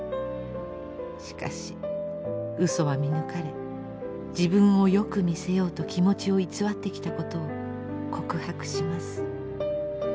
しかし嘘は見抜かれ自分をよく見せようと気持ちを偽ってきたことを告白します。